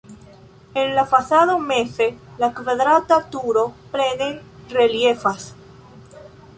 En la fasado meze la kvadrata turo plene reliefas.